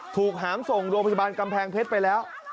หามส่งโรงพยาบาลกำแพงเพชรไปแล้ว